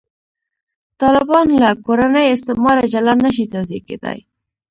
طالبان له «کورني استعماره» جلا نه شي توضیح کېدای.